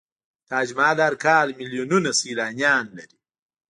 تاج محل هر کال میلیونونه سیلانیان لري.